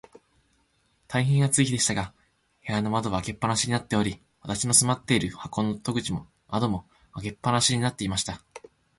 大へん暑い日でしたが、部屋の窓は開け放しになっており、私の住まっている箱の戸口も窓も、開け放しになっていました。